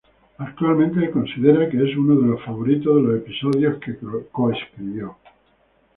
Actualmente, considera que es uno de sus favoritos de los episodios que co-escribió.